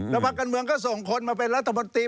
แล้วภักดิ์การเมืองก็ส่งคนมาเป็นรัฐบาล